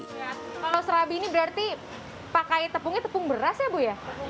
kalau serabi ini berarti pakai tepungnya tepung beras ya bu ya